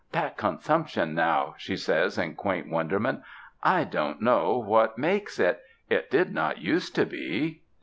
''That consumption now," she says in quaint won derment, "I don't know what makes it — it did not use to be."